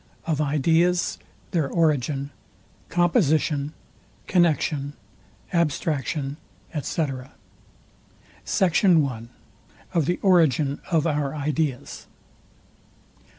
OF IDEAS, THEIR ORIGIN, COMPOSITION, CONNEXION, ABSTRACTION, ETC. SECT. I. OF THE ORIGIN OF OUR IDEAS.